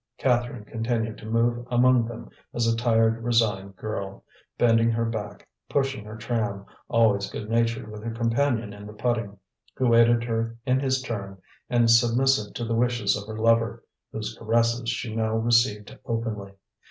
Catherine continued to move among them as a tired, resigned girl, bending her back, pushing her tram, always good natured with her companion in the putting, who aided her in his turn, and submissive to the wishes of her lover, whose caresses she now received openly.